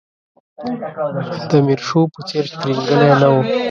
د میرشو په څېر ترینګلی نه و.